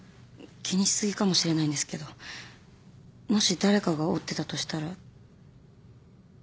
気にし過ぎかもしれないんですけどもし誰かが折ってたとしたら。